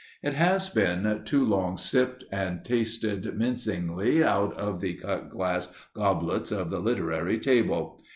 It has been too long sipped and tasted mincingly out of the cut glass goblets of the literary table.